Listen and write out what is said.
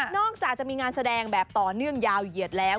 จากจะมีงานแสดงแบบต่อเนื่องยาวเหยียดแล้ว